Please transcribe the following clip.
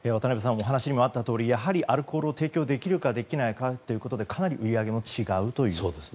お話にもあったとおりやはり、アルコールを提供できるかできないかということでかなり売り上げも違うという。